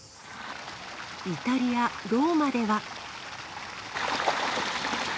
イタリア・ローマでは。